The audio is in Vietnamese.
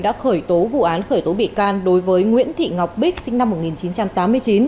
đã khởi tố vụ án khởi tố bị can đối với nguyễn thị ngọc bích sinh năm một nghìn chín trăm tám mươi chín